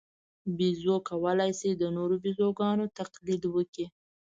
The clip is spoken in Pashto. بیزو کولای شي د نورو بیزوګانو تقلید وکړي.